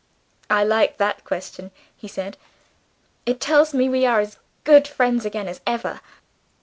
"I like that question," he said; "it tells me we are as good friends again as ever.